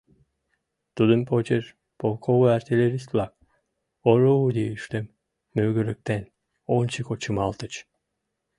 Тудын почеш полковой артиллерист-влак, орудийыштым мӱгырыктен, ончыко чымалтыч.